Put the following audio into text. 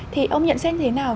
thì ông nhận xét thế nào